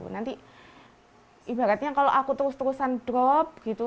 nanti ibaratnya kalau aku terus terusan drop gitu